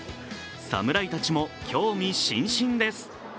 侍たちも興味津々です。